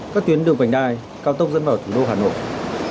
các tuyến đường vành đai cao tốc dẫn vào thủ đô hà nội